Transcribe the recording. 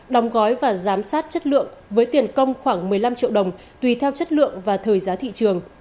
đóng gói và giám sát chất lượng với tiền công khoảng một mươi năm triệu đồng tùy theo chất lượng và thời giá thị trường